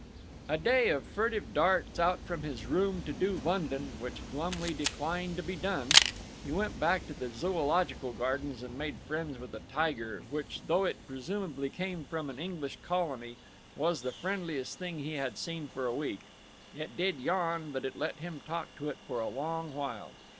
A day of furtive darts out from his room to do London, which glumly declined to be done. He went back to the Zoological Gardens and made friends with a tiger which, though it presumably came from an English colony, was the friendliest thing he had seen for a week. It did yawn, but it let him talk to it for a long while.